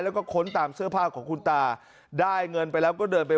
แล้วก็ค้นตามเสื้อผ้าของคุณตาได้เงินไปแล้วก็เดินไป